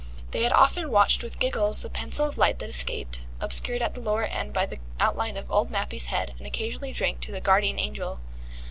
They had often watched with giggles the pencil of light that escaped, obscured at the lower end by the outline of Old Mappy's head, and occasionally drank to the "Guardian Angel".